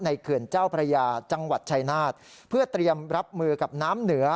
เขื่อนเจ้าพระยาจังหวัดชายนาฏเพื่อเตรียมรับมือกับน้ำเหนือ